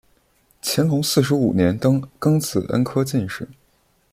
乾隆四十五年登庚子恩科进士。